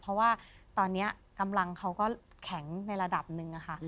เพราะว่าตอนนี้กำลังเขาก็แข็งในระดับหนึ่งค่ะ